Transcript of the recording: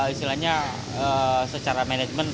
istilahnya secara manajemen